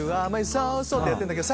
ＳＯＵＬ！」ってやってんだけど